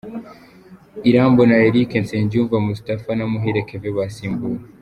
Irambona Eric, Nsengiyumva Moustapha na Muhire Kevin basimbuwe.